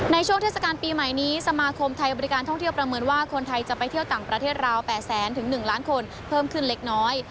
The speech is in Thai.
ช่วงเทศกาลปีใหม่นี้สมาคมไทยบริการท่องเที่ยวประเมินว่าคนไทยจะไปเที่ยวต่างประเทศราว๘แสนถึง๑ล้านคนเพิ่มขึ้นเล็กน้อย